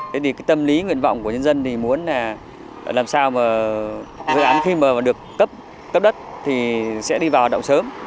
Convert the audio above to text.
thế thì cái tâm lý nguyện vọng của nhân dân thì muốn là làm sao mà dự án khi mà được cấp đất thì sẽ đi vào hoạt động sớm